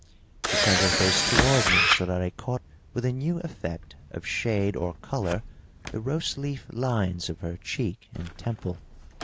She turned her face toward me so that I caught with a new effect of shade or color the rose leaf lines of her cheek and temple.